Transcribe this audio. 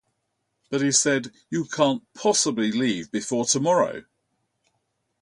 But he said: "You can't possibly leave before tomorrow."